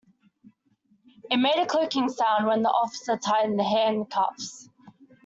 It made a clicking sound when the officer tightened the handcuffs.